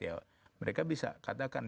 ya mereka bisa katakan